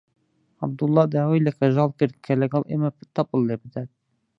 عەبدوڵڵا داوای لە کەژاڵ کرد کە لەگەڵ ئێمە تەپڵ لێ بدات.